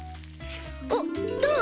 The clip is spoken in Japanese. おっどう？